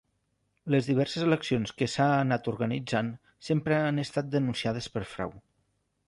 Les diverses eleccions que s'ha anat organitzant sempre han estat denunciades per frau.